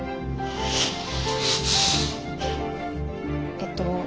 えっと